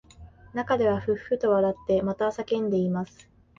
中ではふっふっと笑ってまた叫んでいます